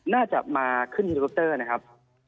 น่าจะมาขึ้นเฮลิคอปเตอร์นะครับ